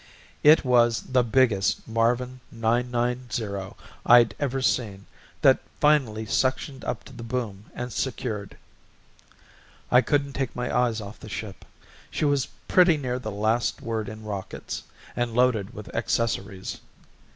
It was the biggest Marvin 990 I'd ever seen that finally suctioned up to the boom and secured. I couldn't take my eyes off the ship. She was pretty near the last word in rockets and loaded with accessories.